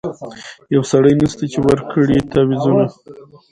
یو سړی نسته چي ورکړي تعویذونه